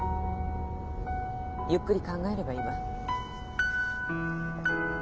ゆっくり考えればいいわ。